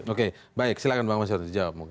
oke baik silahkan pak mas hinton dijawab